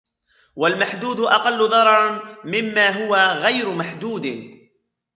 وَالْمَحْدُودُ أَقَلُّ ضَرَرًا مِمَّا هُوَ غَيْرُ مَحْدُودٍ